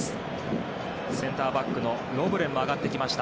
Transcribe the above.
センターバックのロブレンも上がってきました。